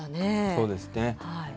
そうですね。